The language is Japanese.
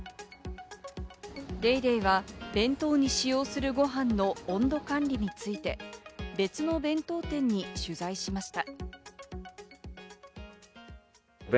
『ＤａｙＤａｙ．』は弁当に使用するご飯の温度管理について、別の弁当店に取材しました。